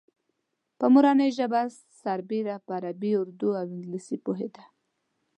په مورنۍ ژبه سربېره په عربي، اردو او انګلیسي پوهېده.